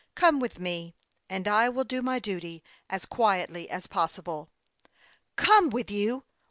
" Come with me, and I will do my duty as quietly as pos sible." " Come with you